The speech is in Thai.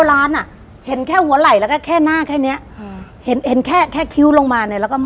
และจะประแทนนะนะ